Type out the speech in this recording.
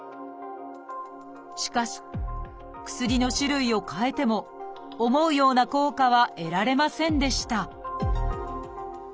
しかし薬の種類をかえても思うような効果は得られませんでした